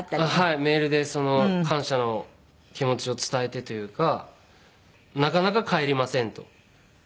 メールで感謝の気持ちを伝えてというか「なかなか帰りません」と。